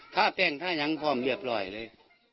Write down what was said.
แป้งถ้ายังพร้อมเรียบร้อยเลย